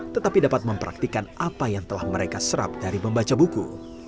tetapi dapat mempraktikan apa yang telah mereka serap dari membaca buku